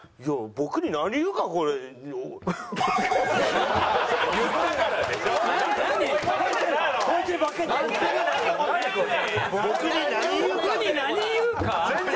「僕に何言うか」？方言？